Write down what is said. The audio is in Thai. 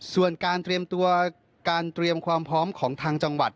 ส่วนการเตรียมตัวการเตรียมความพร้อมของทางจังหวัด